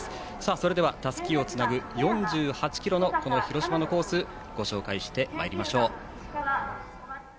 それでは、たすきをつなぐ４８ｋｍの広島のコースをご紹介してまいりましょう。